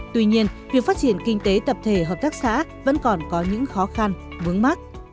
tuy nhiên việc phát triển kinh tế tập thể hợp tác xã vẫn còn có những khó khăn vướng mắt